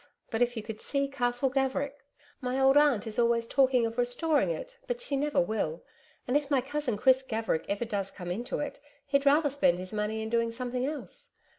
But if you could see Castle Gaverick! My old Aunt is always talking of restoring it, but she never will, and if my cousin Chris Gaverick ever does come into it, he'd rather spend his money in doing something else....